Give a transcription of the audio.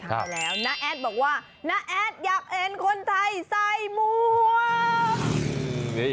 แล้วนแอ๊ดบอกว่านแอ๊ดอยากเห็นคนไทยใส่หมวก